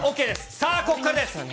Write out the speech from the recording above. さあ、ここからです。